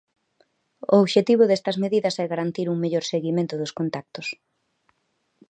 O obxectivo destas medidas é garantir un mellor seguimento dos contactos.